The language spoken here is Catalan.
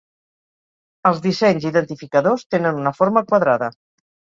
Els dissenys identificadors tenen una forma quadrada.